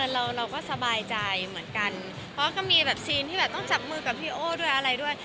เราก็สบายใจเหมือนกันเพราะก็มีซีนที่ต้องจับมือกับพี่โอ้ด้วย